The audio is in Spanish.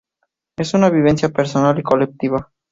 Es una vivencia personal y colectiva.